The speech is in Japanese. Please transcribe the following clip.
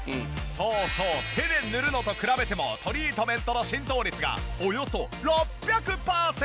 そうそう手で塗るのと比べてもトリートメントの浸透率がおよそ６００パーセントにアップ！